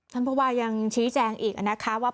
ท่านพระบาทยังชี้แจงอีกว่า